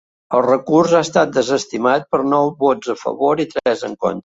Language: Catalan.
El recurs ha estat desestimat per nou vots a favor i tres en contra.